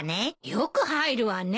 よく入るわね。